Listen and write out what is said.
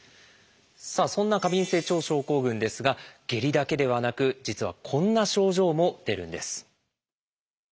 さあそんな過敏性腸症候群ですが下痢だけではなく実はこんな症状も出るんです。